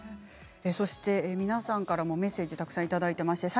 皆さんからもメッセージをたくさんいただいています。